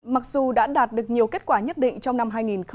mặc dù đã đạt được nhiều kết quả nhất định trong năm hai nghìn một mươi tám